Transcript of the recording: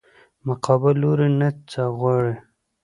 مقابل لوري نه څه غواړې؟